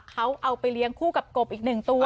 เขาเอาไปเลี้ยงคู่กับกบอีกหนึ่งตัว